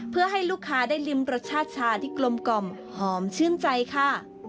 เพื่อให้ลูกค้าได้ริมรสชาติชาที่กลมกล่อมหอมชื่นใจค่ะ